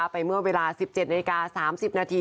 ไปเมื่อเวลา๑๗นาที๓๐นาที